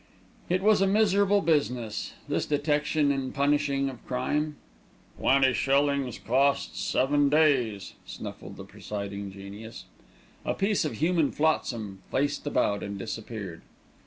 It was a miserable business, this detection and punishing of crime. "Twenty shillings costs, seven days," snuffled the presiding genius. A piece of human flotsam faced about and disappeared.